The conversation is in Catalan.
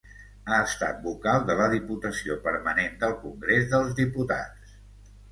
Ha estat vocal de la Diputació Permanent del Congrés dels Diputats.